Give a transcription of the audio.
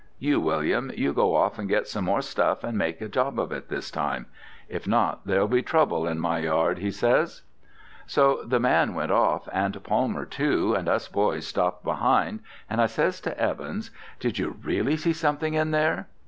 You, William, you go off and get some more stuff and make a job of it this time; if not, there'll be trouble in my yard,' he says. "So the man he went off, and Palmer too, and us boys stopped behind, and I says to Evans, 'Did you really see anything in there?'